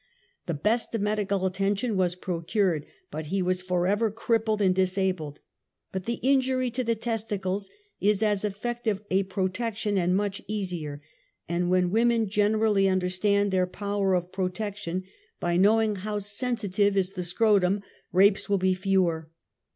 The best of medical attention was procured but he was forever crippled and disabled, but the injury to the testicles is as effective a protection and much easier. And when women generally under stand their power of protection, by knowing how 92 UNMASKED. sensitive is the scrotum, rapes will be fewer.